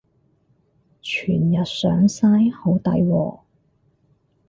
全日上晒？好抵喎